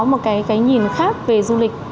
một cái nhìn khác về du lịch